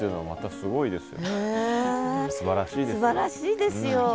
すばらしいですよ。